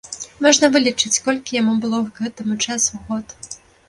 Можна вылічыць, колькі яму было к гэтаму часу год.